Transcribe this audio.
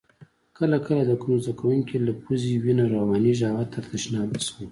کله کله د کوم زده کونکي له پوزې وینه روانیږي هغه تر تشناب رسوم.